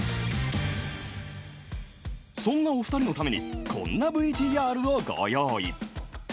そんなお２人のためにこんなＶＴＲをご用意